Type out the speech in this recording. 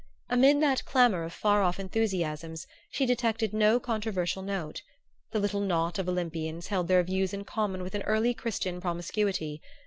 Amid that clamor of far off enthusiasms she detected no controversial note. The little knot of Olympians held their views in common with an early Christian promiscuity.